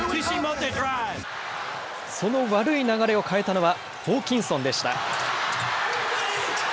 その悪い流れを変えたのはホーキンソンでした。